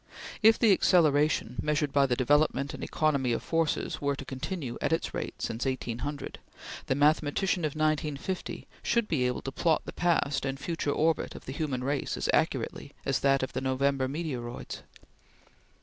If the acceleration, measured by the development and economy of forces, were to continue at its rate since 1800, the mathematician of 1950 should be able to plot the past and future orbit of the human race as accurately as that of the November meteoroids.